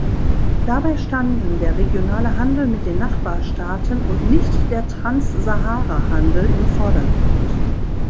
Dabei standen der regionale Handel mit den Nachbarstaaten und nicht der Transsaharahandel im Vordergrund.